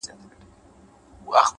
اخلاق د شخصیت رښتینی رنګ دی’